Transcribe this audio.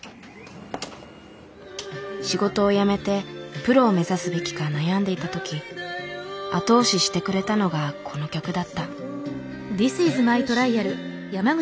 仕事をやめてプロを目指すべきか悩んでいた時後押ししてくれたのがこの曲だった。